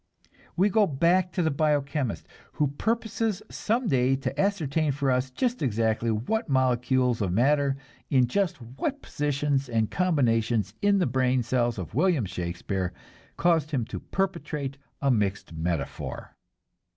We go back to the bio chemist, who purposes some day to ascertain for us just exactly what molecules of matter in just what positions and combinations in the brain cells of William Shakespeare caused him to perpetrate a mixed metaphor.